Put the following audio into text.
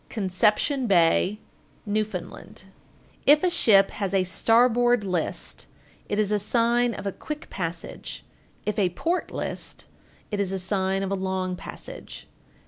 Conception Bay, N.F. 1468. If a ship has a starboard list, it is a sign of a quick passage; if a port list, it is a sign of a long passage.